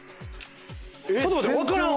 ちょっと待って分からん。